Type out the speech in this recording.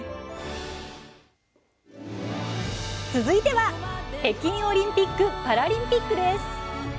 続いては北京オリンピック・パラリンピックです。